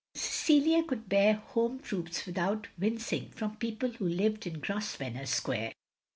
" Cecilia cotdd bear home truths without winc ing, — ^from people who lived in Grosvenor Sqtmre.